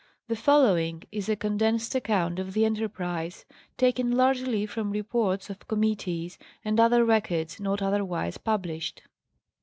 The following is a condensed account of the enterprise, taken largely from reports of commit tees and other records not otherwise published.